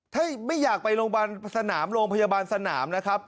ถ้าไม่อยากไปโรงพยาบาลสนามนะครับ